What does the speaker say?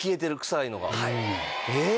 えっ？